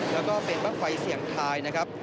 แล้วก็เป็นบ้างไฟเสี่ยงทายนะครับ